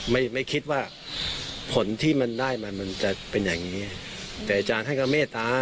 ไม่ไม่คิดว่าผลที่มันได้มามันจะเป็นอย่างนี้แต่อาจารย์ท่านก็เมตตา